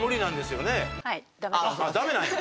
ダメなんや。